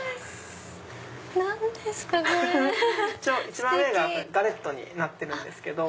一番上がガレットになってるんです。